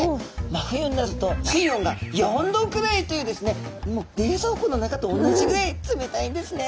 真冬になると水温が４℃くらいというですね冷蔵庫の中とおんなじぐらい冷たいんですね。